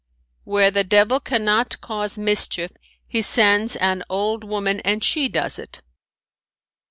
"Where the devil cannot cause mischief he sends an old woman and she does it.